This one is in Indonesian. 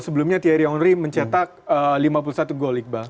sebelumnya thierry henry mencetak lima puluh satu gol iqbal